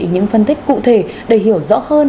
những phân tích cụ thể để hiểu rõ hơn